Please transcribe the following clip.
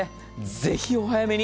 ぜひお早めに。